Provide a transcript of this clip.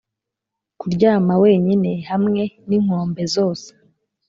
kuryama wenyine hamwe ninkombe zose,